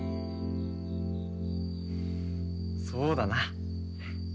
そうだな！